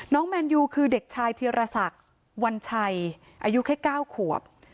แมนยูคือเด็กชายธีรศักดิ์วันชัยอายุแค่๙ขวบ